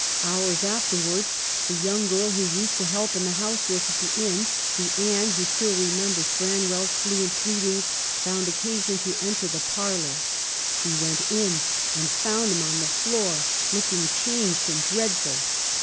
Hours afterwards the young girl who used to help in the housework at the inn, the Anne who still remembers Branwell's fluent greetings, found occasion to enter the parlor. She went in and found him on the floor, looking changed and dreadful.